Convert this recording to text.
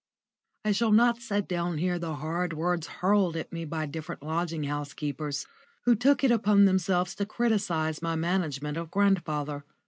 *_ I shall not set down here the hard words hurled at me by different lodging house keepers, who took it upon themselves to criticise my management of grandfather.